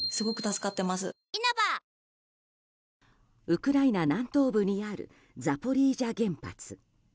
ウクライナ南東部にあるザポリージャ原発。